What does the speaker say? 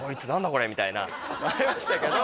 これみたいなありましたけど